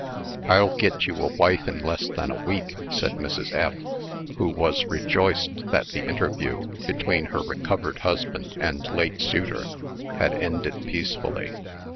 "I'll get you a wife in less than a week," said Mrs. F., who was rejoiced that the interview between her recovered husband and late suitor had ended peacefully.